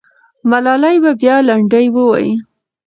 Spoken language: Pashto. ملالۍ به بیا لنډۍ ووایي.